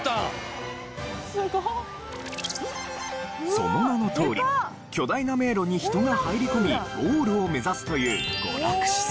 その名のとおり巨大な迷路に人が入り込みゴールを目指すという娯楽施設。